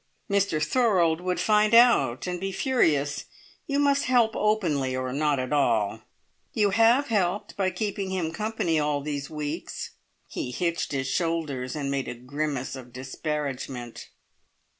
"Mr Thorold would find out and be furious. You must help openly, or not at all. You have helped by keeping him company all these weeks." He hitched his shoulders, and made a grimace of disparagement.